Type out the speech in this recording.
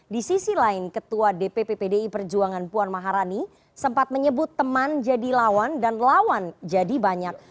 di sisi lain ketua dpp pdi perjuangan puan maharani sempat menyebut teman jadi lawan dan lawan jadi banyak